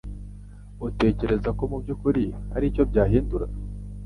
Uratekereza ko mubyukuri hari icyo byahindura?